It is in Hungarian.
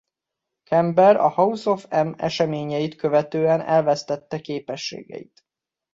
Chamber a House of M eseményeit követően elvesztette a képességeit.